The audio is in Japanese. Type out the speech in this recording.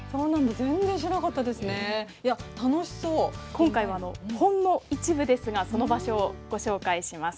今回はほんの一部ですがその場所をご紹介します。